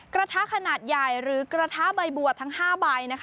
กระทะขนาดใหญ่หรือกระทะใบบัวทั้ง๕ใบ